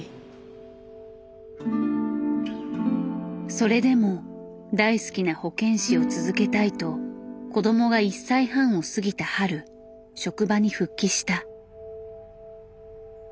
それでも大好きな保健師を続けたいと子どもが１歳半を過ぎた春職場に復帰した。